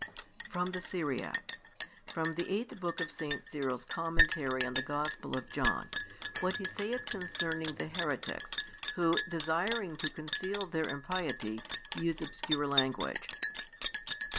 (From the Syriac) 1 FROM THE EIGHTH BOOK OF S. CYRIL's COMMENTARY ON THE GOSPEL OF JOHN; WHAT HE SAITH CONCERNING THE HERETICS, WHO, DESIRING TO CONCEAL THEIR IMPIETY, USE OBSCURE LANGUAGE.